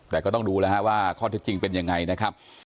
แต่ก็ต้องดูแล้วฮะว่าข้อเท็จจริงเป็นยังไงนะครับ